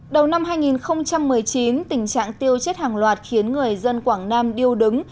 đầu năm hai nghìn một mươi chín tình trạng tiêu chết hàng loạt khiến người dân quảng nam điêu đứng